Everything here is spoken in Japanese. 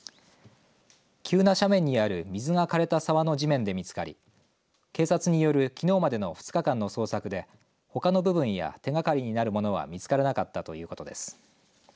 急な斜面にある水がかれた沢の地面で見つかり警察によるきのうまでの２日間の捜索でほかの部分や、手がかりなるものは見つからなかったということです。